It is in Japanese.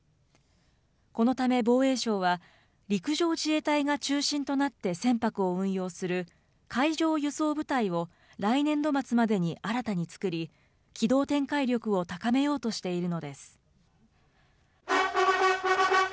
このため防衛省は、陸上自衛隊が中心となって船舶を運用する、海上輸送部隊を来年度末までに新たに作り、機動展開力を高めようとしているのです。